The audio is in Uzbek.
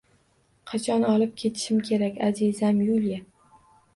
Qachon olib ketishim kerak, azizam Yuliya?